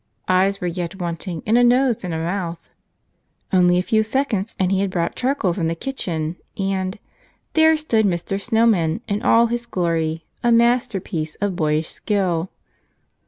Eyes were yet wanting, and a nose and a mouth. Only a few seconds and he had brought charcoal from the kitchen and — there stood Mr. Snow man in all his glory, a masterpiece of boyish skill.